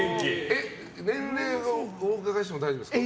年齢をお伺いしても大丈夫ですか？